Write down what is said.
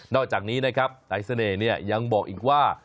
อกจากนี้นะครับนายเสน่ห์ยังบอกอีกว่า